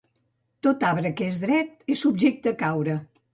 Tot arbre que és dret, és subjecte a caure.